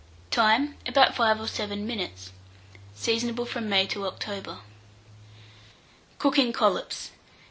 Time. About 5 or 7 minutes. Seasonable from May to October. COOKING COLLOPS.